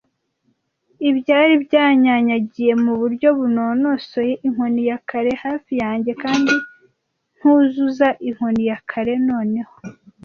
Ibyari byanyanyagiye mu buryo bunonosoye inkoni ya kare hafi yanjye, kandi ntuzuza inkoni ya kare noneho,